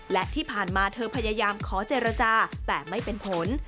และที่ผ่านมาเธอพยายามขอเจรจาแต่ไม่เป็นผล